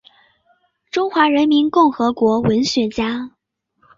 中华人民共和国文学家。